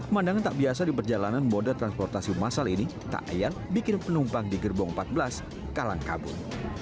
pandangan tak biasa di perjalanan moda transportasi masal ini tak ayat bikin penumpang di gerbong empat belas kalang kabut